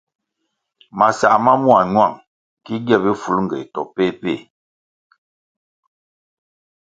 Masãh ma mua ñuáng ki gie bifulngéh to péh péh.